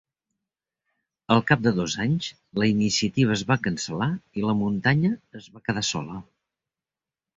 Al cap de dos anys la iniciativa es va cancel·lar i la muntanya es va quedar sola.